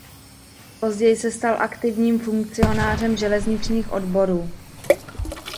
Později se stal aktivním funkcionářem železničních odborů.